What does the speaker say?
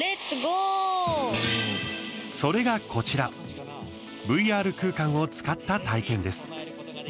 それがこちらＶＲ空間を使った体験です。